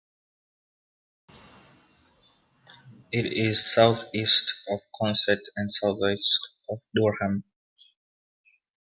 It is southeast of Consett and southwest of Durham.